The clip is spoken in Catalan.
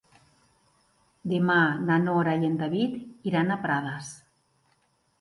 Demà na Nora i en David iran a Prades.